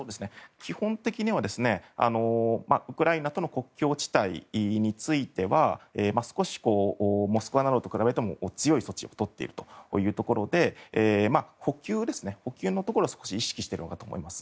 基本的にはウクライナとの国境地帯については少しモスクワなどと比べても強い措置をとっているというところで補給のところを少し意識しているのかと思います。